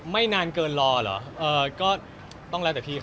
นานเกินรอเหรอก็ต้องแล้วแต่พี่ครับ